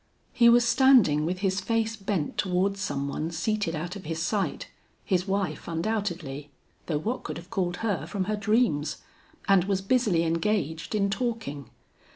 He was standing with his face bent towards some one seated out of sight, his wife undoubtedly, though what could have called her from her dreams and was busily engaged in talking.